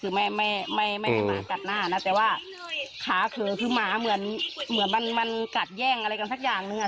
คือไม่ไม่ให้หมากัดหน้านะแต่ว่าขาเขินคือหมาเหมือนเหมือนมันมันกัดแย่งอะไรกันสักอย่างนึงอ่ะ